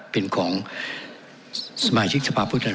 เป็นของสมาชิกทภาพพุทธธรรมรส๒๖๓